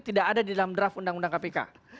tidak ada di dalam draft undang undang kpk